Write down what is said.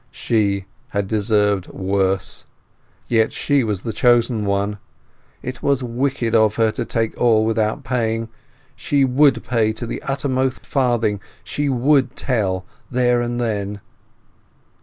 She had deserved worse—yet she was the chosen one. It was wicked of her to take all without paying. She would pay to the uttermost farthing; she would tell, there and then.